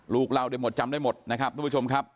ลูกเล่าได้หมดจำได้หมดนะครับทุกผู้ชมครับ